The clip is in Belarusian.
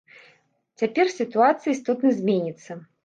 Цяпер сітуацыя істотна зменіцца.